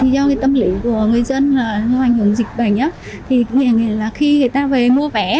do tâm lý của người dân do ảnh hưởng dịch bệnh khi người ta về mua vé